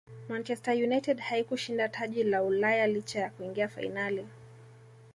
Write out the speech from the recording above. manchester united haikushinda taji la ulaya licha ya kuingia fainali